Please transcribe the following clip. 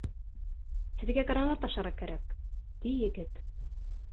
— Һеҙгә гранат ашарға кәрәк, — ти егет.